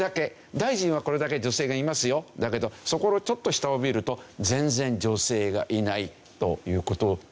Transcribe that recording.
大臣はこれだけ女性がいますよだけどそこのちょっと下を見ると全然女性がいないという事ですよね。